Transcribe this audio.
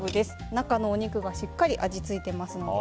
中のお肉がしっかり味付いてますので。